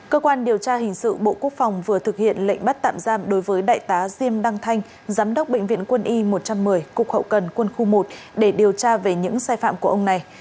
cơ quan điều tra hình sự bộ quốc phòng vừa thực hiện lệnh bắt tạm giam đối với đại tá diêm đăng thanh giám đốc bệnh viện quân y một trăm một mươi cục hậu cần quân khu một để điều tra về những sai phạm của ông này